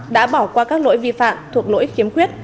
đã bỏ qua các lỗi vi phạm thuộc lỗi khiếm khuyết